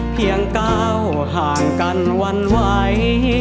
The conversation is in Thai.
เพียงก้าวห่างกันวันไหว